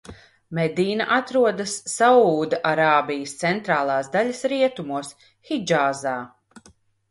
Medīna atrodas Saūda Arābijas centrālās daļas rietumos, Hidžāzā.